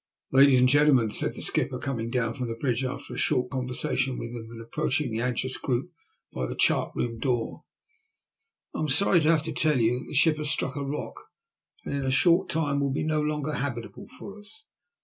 *' Ladies and gentleman," said the skipper, coming down from the bridge, after a short conversation with them, and approaching the anxious group by the chart room door, " I am sorry to have to tell you that the ship has struck a rock, and in a short time will be no longer habitable for us.